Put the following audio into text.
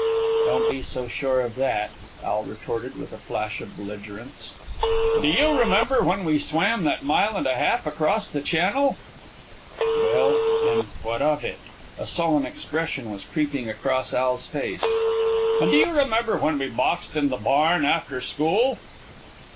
"Don't be so sure of that," Al retorted, with a flash of belligerence. "Do you remember when we swam that mile and a half across the channel?" "Well, and what of it?" A sullen expression was creeping across Al's face. "And do you remember when we boxed in the barn after school?"